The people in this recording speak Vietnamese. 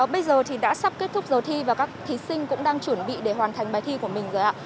bây giờ thì đã sắp kết thúc giờ thi và các thí sinh cũng đang chuẩn bị để hoàn thành bài thi của mình rồi ạ